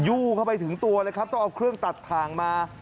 ยูเข้าไปถึงตัวล่ะครับเดี๋ยวเอาเครื่องตัดทางมา